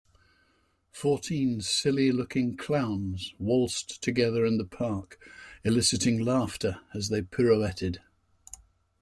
Fourteen silly looking clowns waltzed together in the park eliciting laughter as they pirouetted.